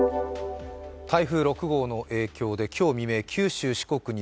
台風６号の影響で今日未明、九州・四国に